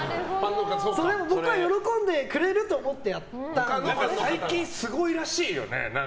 それは僕は喜んでくれると思って最近、すごいらしいよね。